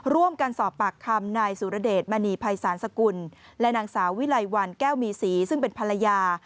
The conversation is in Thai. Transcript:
ร่วมกันสอบปากคำนายสุรเดชมณีภัยศาลสกุลและนางสาววิไลวันแก้วมีศรีซึ่งเป็นภรรยา